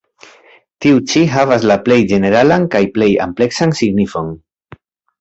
Tiu ĉi havas la plej ĝeneralan kaj plej ampleksan signifon.